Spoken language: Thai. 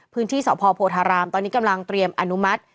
พื้นที่สพโพธารามตอนนี้กำลังเตรียมอนุมัติ